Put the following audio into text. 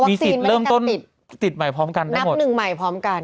มีสิทธิ์เริ่มต้นติดใหม่พร้อมกันนับหนึ่งใหม่พร้อมกัน